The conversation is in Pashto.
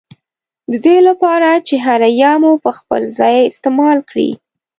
ددې له پاره چي هره ي مو پر خپل ځای استعمال کړې